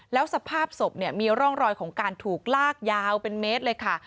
แล้วสภาพศพเนี่ยมีร่องรอยของการถูกลากยาวเป็นเมตรเลยค่ะ